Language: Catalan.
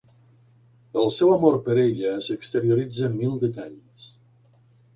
El seu amor per ella s'exterioritza en mil detalls.